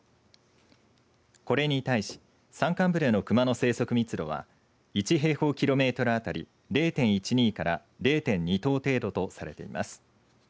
これに対し山間部でのクマの生息密度は１平方キロメートルあたり０．１２から０．２頭程度とされています。